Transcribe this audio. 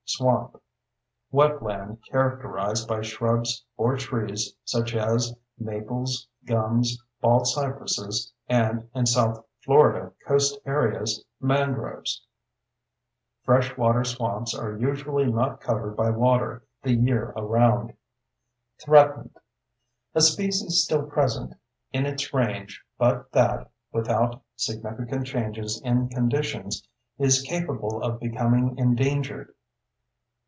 SWAMP: Wetland characterized by shrubs or trees such as maples, gums, baldcypresses, and, in south Florida coast areas, mangroves. Fresh water swamps are usually not covered by water the year around. THREATENED: A species still present in its range but that, without significant changes in conditions, is capable of becoming endangered.